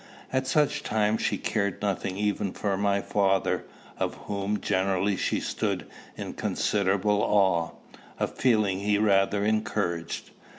At such times she cared nothing even for my father, of whom generally she stood in considerable awe, a feeling he rather encouraged.